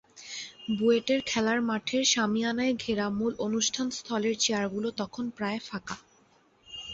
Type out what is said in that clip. বুয়েটের খেলার মাঠের শামিয়ানায় ঘেরা মূল অনুষ্ঠানস্থলের চেয়ারগুলো তখন প্রায় ফাঁকা।